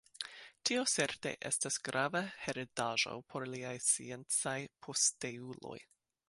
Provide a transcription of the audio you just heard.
Tio certe estas grava heredaĵo por liaj sciencaj posteuloj.